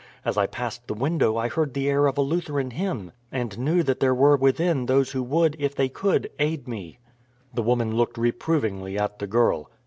As I passed the window I heard the air of a Lutheran hymn, and knew that there were within those who would, if they could, aid me." The woman looked reprovingly at the girl.